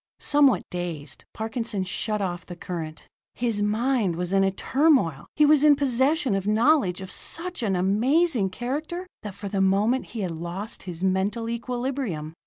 Somewhat dazed, Parkinson shut off the current. His mind was in a turmoil. He was in possession of knowledge of such an amazing character that, for the moment he had lost his mental equilibrium.